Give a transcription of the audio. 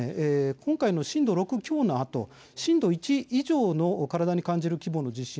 今回の震度６強のあと震度１以上の体に感じる規模の地震